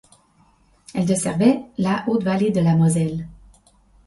Elle desservait la haute vallée de la Moselle.